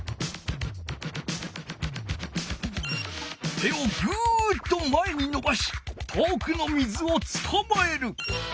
手をグッと前にのばし遠くの水をつかまえる。